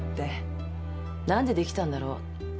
何で出来たんだろう。